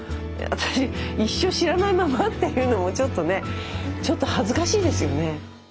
私一生知らないまま？っていうのもちょっとねちょっと恥ずかしいですよね。